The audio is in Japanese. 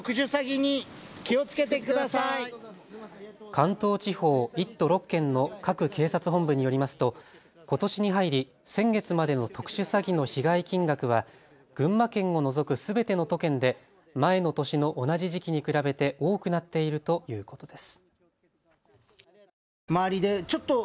関東地方１都６県の各警察本部によりますとことしに入り先月までの特殊詐欺の被害金額は群馬県を除くすべての都県で前の年の同じ時期に比べて多くなっているということです。